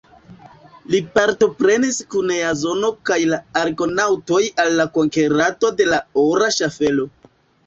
Li partoprenis kun Jazono kaj la Argonaŭtoj al la konkerado de la Ora Ŝaffelo.